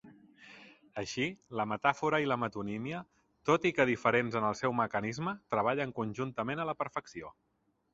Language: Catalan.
Així, la metàfora i la metonímia, tot i que diferents en el seu mecanisme, treballen conjuntament a la perfecció.